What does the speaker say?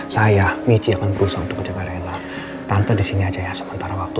saya biji akan berusaha untuk menjaga rina tante disini aja ya sementara waktu